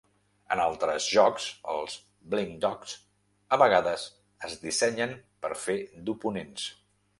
En altres jocs, els blink dogs a vegades es dissenyen per fer d'oponents.